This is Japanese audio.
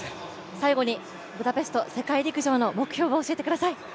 最後にブダペスト、世界陸上の目標を教えてください。